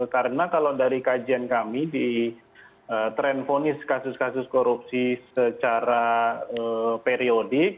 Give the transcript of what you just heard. karena kalau dari kajian kami di tren vonis kasus kasus korupsi secara periodik